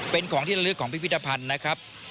เป็นของที่ละลึกของพิพิธภัณฑ์นะครับ